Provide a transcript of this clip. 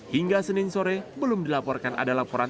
hingga senin sore belum dilaporkan ada laporan